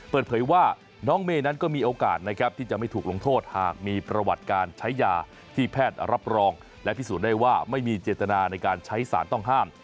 เปิดเผยว่าน้องเมย์นั้นก็มีโอกาสนะครับที่จะไม่ถูกลงโทษหากมีประวัติการใช้ยาที่แพทย์รับรองและพิสูจน์ได้ว่าไม่มีเจตนาในการใช้สารต้องห้าม